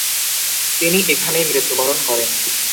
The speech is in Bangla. তিনি এখানেই মৃত্যুবরণ করেন।